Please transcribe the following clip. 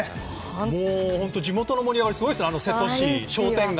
もう、本当に地元の盛り上がりすごいですね、瀬戸市商店街。